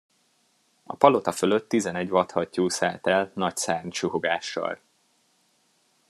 A palota fölött tizenegy vadhattyú szállt el nagy szárnysuhogással.